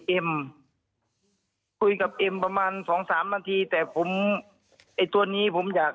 เอ็มคุยกับเอ็มประมาณสองสามนาทีแต่ผมไอ้ตัวนี้ผมอยาก